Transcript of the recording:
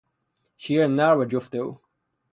شیر نر و جفت او